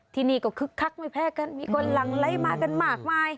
ที่นี่ก็คึกคักไม่แพ้กันมีคนหลังไลค์มากันมากมาย